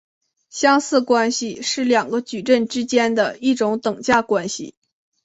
相似关系是两个矩阵之间的一种等价关系。